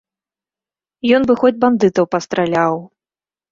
Ён бы хоць бандытаў пастраляў.